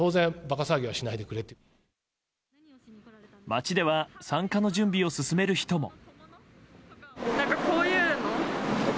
街では参加の準備を進める人も。